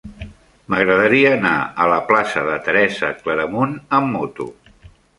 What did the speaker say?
M'agradaria anar a la plaça de Teresa Claramunt amb moto.